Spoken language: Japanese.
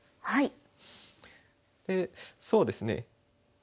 はい。